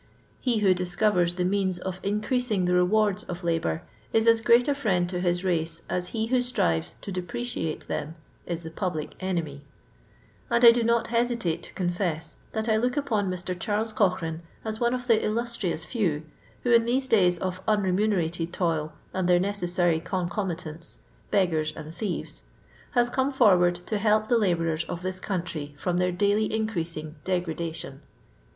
He who discovers the means of increaa* ing the rewards of labour, is as great a friend to his race as he who strives to depredate them is the public enemy; and I do not hesi tate to confess, that I look upon Mr. Gharl«i Cochrane as one of the illustrious few who, in these days of onremunerated toil, and their neces sary concomitants — beggars and thieves, has come forward to help the labourers of this country from their daily increasing degradation.